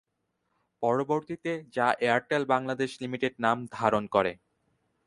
পরবর্তীতে যা এয়ারটেল বাংলাদেশ লিমিটেড নাম ধারণ করে।